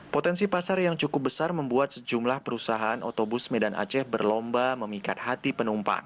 potensi pasar yang cukup besar membuat sejumlah perusahaan otobus medan aceh berlomba memikat hati penumpang